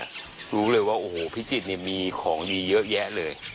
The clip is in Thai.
พิจิตรเนี่ยรู้เลยว่าโอ้โหพิจิตรเนี่ยมีของดีเยอะแยะเลย